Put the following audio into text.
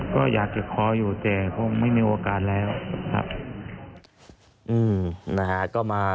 ก็อยากจะขออยู่แต่คงไม่มีโอกาสแล้วครับนะฮะ